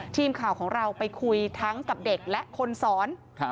ทีมข่าวของเราไปคุยทั้งกับเด็กและคนสอน